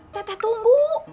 teh teh tunggu